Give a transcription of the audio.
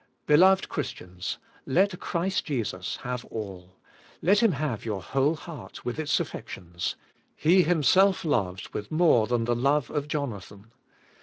Beloved Christians, let Christ Jesus have all. Let Him have your whole heart, with its affections; He Himself loves, with more than the love of Jonathan.